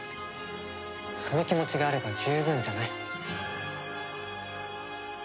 その気持ちがあれば十分じゃない？